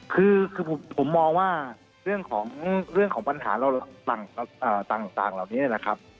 คือผมมองว่าเรื่องของปัญหาต่างเหล่านี้นะครับ